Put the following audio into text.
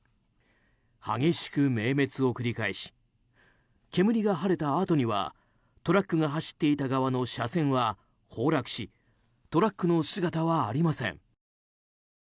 激しく明滅を繰り返し煙が晴れたあとにはトラックが走っていた側の車線は崩落しトラックの姿はありません。